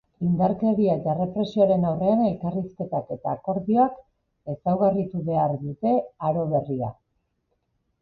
Indarkeria eta errepresioaren aurrean elkarrizketak eta akordioak ezaugarritu behar dute aro berria.